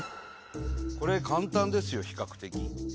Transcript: これ簡単ですよ比較的。